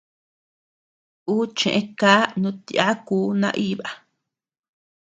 Ú cheʼë ká nutyáku naíba.